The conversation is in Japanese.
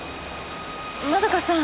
円香さん